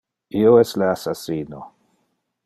Io es le assassino.